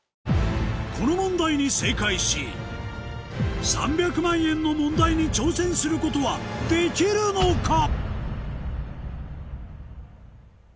この問題に正解し３００万円の問題に挑戦することはできるのか？